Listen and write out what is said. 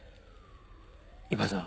伊庭さん